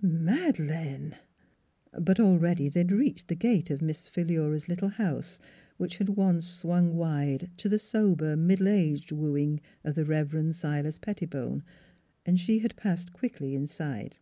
" "Madeleine!" But already they had reached the gate of Miss Philura's little house which had once swung wide to the sober, middle aged wooing of the Rev. Silas Pettibone and she had passed quickly inside.